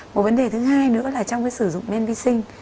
một vấn đề thứ hai nữa là trong cái sử dụng men vi sinh